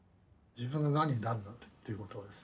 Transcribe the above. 自分ががんになるなんてっていうことはですね